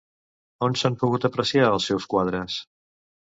On s'han pogut apreciar els seus quadres?